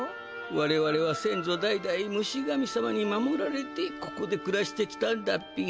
われわれはせんぞ代々ムシ神様に守られてここでくらしてきたんダッピ。